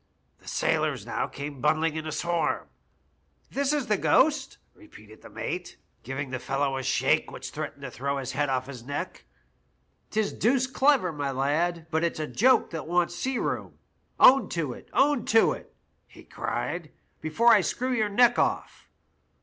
" The sailors now came bundling in in a swarm. "* This is the ghost,' repeated the mate, giving the fellow a shake which threatened to throw his head off his neck. * 'Tis deuced clever, my lad, but it's a joke CAN THESE DRY LOSES LIVE? 267 that wants sea room/ another shake. ' Own to it, own to it !' he cried, * before I screw your neck off.'